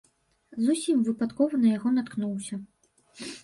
Зусім выпадкова на яго наткнуўся.